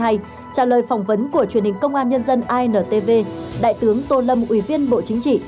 trả lời phỏng vấn của truyền hình công an nhân dân intv đại tướng tô lâm ủy viên bộ chính trị